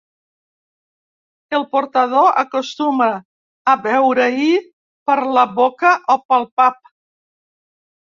El portador acostuma a veure-hi per la boca o pel pap.